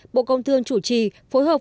bộ công thương chủ trì phối hợp